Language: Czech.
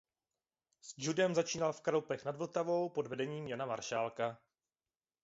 S judem začínal v Kralupech nad Vltavou pod vedením Jana Maršálka.